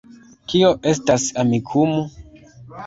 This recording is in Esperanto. Kio estas Amikumu